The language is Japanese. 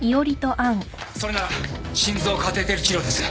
それなら心臓カテーテル治療です。